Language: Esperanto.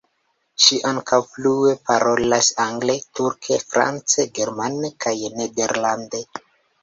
Ŝi ankaŭ flue parolas angle, turke, france, germane kaj nederlande.